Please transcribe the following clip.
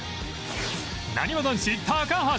なにわ男子高橋